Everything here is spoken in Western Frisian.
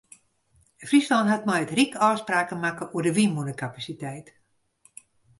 Fryslân hat mei it ryk ôfspraken makke oer de wynmûnekapasiteit.